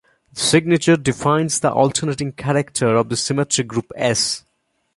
The signature defines the alternating character of the symmetric group "S".